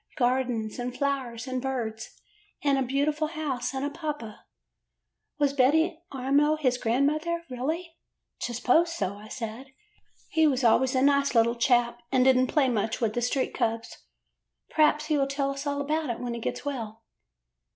Gardens, and flowers, and birds, and a beautiful house and a papa. Was Betty Amo his grandmother, really?' " T s'pose so,' I said. 'He was always a nice little chap and did n't play much with the street cubs. P'raps he will tell us all about it when he gets well.